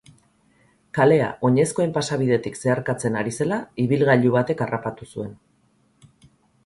Kalea oinezkoen pasabidetik zeharkatzen ari zela ibilgailu batek harrapatu zuen.